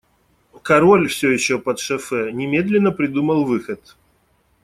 Король, все еще подшофе, немедленно придумал выход.